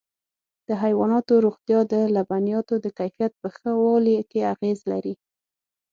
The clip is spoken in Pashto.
د حيواناتو روغتیا د لبنیاتو د کیفیت په ښه والي کې اغېز لري.